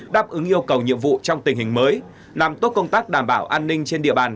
đáp ứng yêu cầu nhiệm vụ trong tình hình mới làm tốt công tác đảm bảo an ninh trên địa bàn